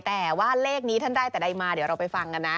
แต่ว่าเลขนี้ท่านได้แต่ใดมาเดี๋ยวเราไปฟังกันนะ